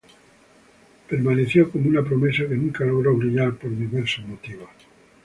Permaneció como una promesa que nunca logró brillar por diversos motivos.